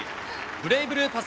ブレイブルーパス